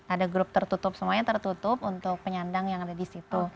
ada grup tertutup semuanya tertutup untuk penyandang yang ada di situ